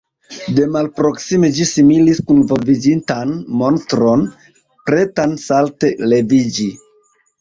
De malproksime ĝi similis kunvolviĝintan monstron, pretan salte leviĝi.